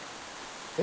え？